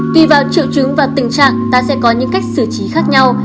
tùy vào triệu chứng và tình trạng ta sẽ có những cách xử trí khác nhau